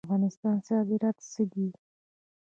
د افغانستان صادرات څه دي؟